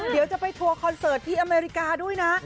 เดี๋ยวจะไปทัวร์คอนเสิร์ตที่อเมริกาด้วยนะ